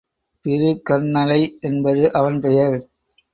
பிருகந்நளை என்பது அவன் பெயர்.